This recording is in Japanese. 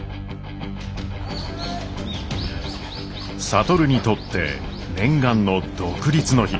智にとって念願の独立の日。